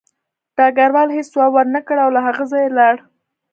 ډګروال هېڅ ځواب ورنکړ او له هغه ځایه لاړ